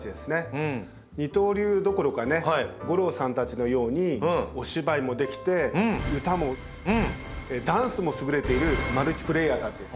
二刀流どころかね吾郎さんたちのようにお芝居もできて歌もダンスも優れているマルチプレーヤーたちです。